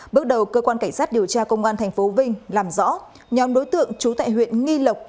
bước đầu cơ quan cảnh sát điều tra công an tp vinh làm rõ nhóm đối tượng trú tại huyện nghi lộc